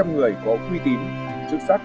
một hai trăm linh người có quy tình chức sát